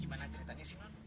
gimana ceritanya sih non